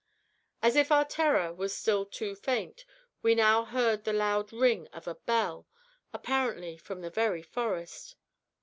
As if our terror was still too faint, we now heard the loud ring of a bell, apparently from the very forest.